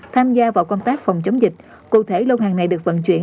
tham gia vào công tác phòng chống dịch cụ thể lô hàng này được vận chuyển